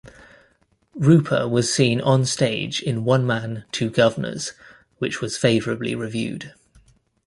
Rooper was seen on-stage in "One Man, Two Guvnors", which was favourably reviewed.